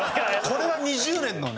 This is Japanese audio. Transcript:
これは２０年のね。